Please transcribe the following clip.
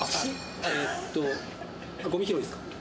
えっとゴミ拾いですか？